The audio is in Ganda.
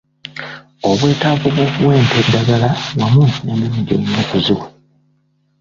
Obwetaavu bw’okuwa ente eddagala wamu n’emirundi gy’olina okuziwa.